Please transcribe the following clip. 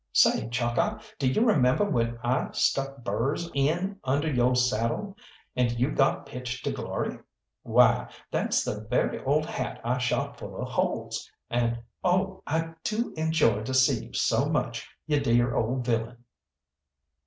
Say, Chalkeye, d'you remember when I stuck burrs in under yo' saddle, and you got pitched to glory? Why, that's the very old hat I shot full of holes, and oh, I do enjoy to see you so much, you dear ole villain!"